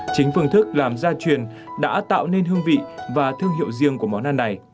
chính phương thức làm gia truyền đã tạo nên hương vị và thương hiệu riêng của món ăn này